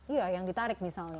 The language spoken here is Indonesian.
iya yang ditarik misalnya